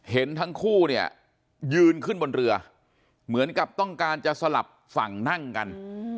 เห็นทั้งคู่เนี่ยยืนขึ้นบนเรือเหมือนกับต้องการจะสลับฝั่งนั่งกัน